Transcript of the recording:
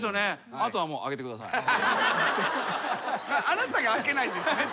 「あなたが開けないんですね？」っていう。